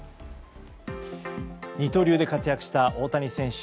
二刀流で活躍した大谷選手。